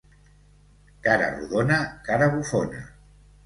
Cara rodona, cara bufona.